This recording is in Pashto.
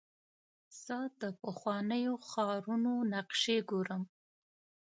زه د پخوانیو ښارونو نقشې ګورم.